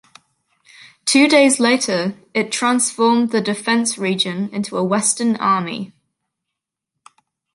Two days later it transformed the Defence region into a Western army.